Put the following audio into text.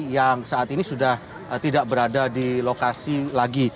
yang saat ini sudah tidak berada di lokasi lagi